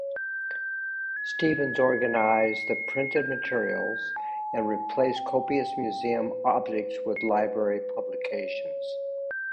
Stevens organized the printed materials and replaces copious museum objects with library publications.